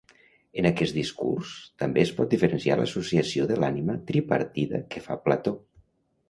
En aquest discurs, també es pot diferenciar l'associació de l'ànima tripartida que fa Plató.